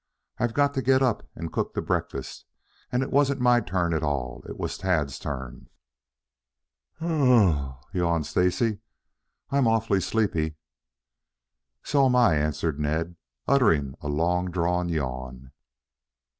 I've got to get up and cook the breakfast, and it wasn't my turn at all. It was Tad's turn." "Yab hum," yawned Stacy, "I'm awful sleepy." "So am I," answered Ned, uttering a long drawn yawn.